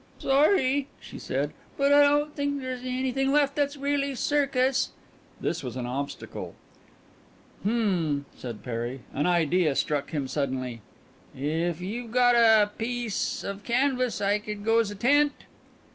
"Sorry," she said, "but I don't think there's anything left that's really circus." This was an obstacle. "Hm," said Perry. An idea struck him suddenly. "If you've got a piece of canvas I could go's a tent."